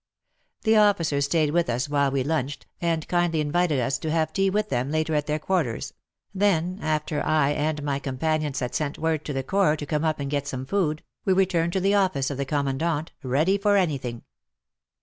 The officers stayed with us while we lunched, and kindly invited us to have tea with them later at their quarters, then, after I and my companions had sent word to the Corps to come up and get some food, we returned to the office of the Commandant, ready for anything.